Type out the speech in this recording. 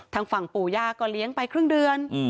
ทางฝั่งปู่ย่าก็เลี้ยงไปครึ่งเดือน